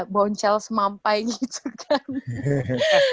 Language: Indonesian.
boncel semampai gitu kan